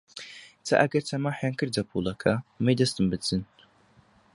تا ئەگەر تەماحیان کردە پووڵەکە، ئەمەی دەستم بدزن